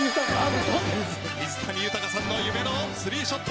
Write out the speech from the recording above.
水谷豊さんの夢のスリーショット。